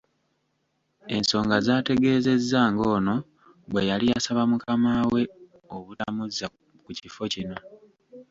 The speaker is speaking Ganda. Ensonda zaategeezezza ng’ono bwe yali yasaba mukama we obutamuzza ku kifo kino.